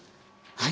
はい。